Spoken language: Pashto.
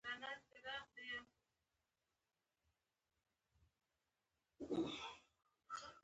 ترموز د یخنۍ بدیل دی.